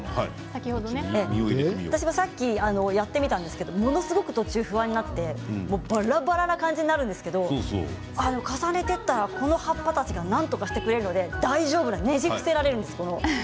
私もさっきやってみたんですが、ものすごく途中不安になってばらばらな感じになるんですけど重ねていたらこの葉っぱたちがなんとかしてくれるので大丈夫なんです。